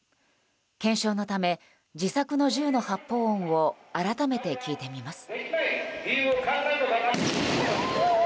検証のため、自作の銃の発砲音を改めて聞いてみます。